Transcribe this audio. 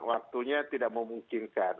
waktunya tidak memungkinkan